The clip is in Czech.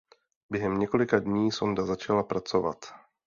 Během několika dní sonda začala pracovat.